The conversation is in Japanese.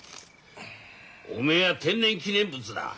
おめえは天然記念物だ。